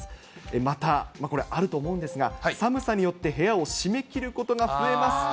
また、これあると思うんですが、寒さによって部屋を閉め切ることが増えますと。